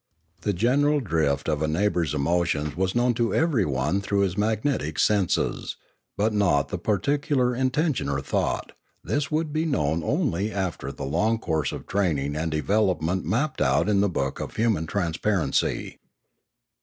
The general drift of a neighbour's emotions was known to everyone through his magnetic senses, but not the particular intention or thought; this would be known only after the long course of training and development mapped out in the book of Human Transparency.